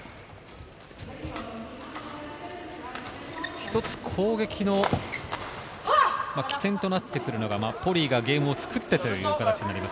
一つ攻撃の起点となってくるのがポリイがゲームを作ってという形になります。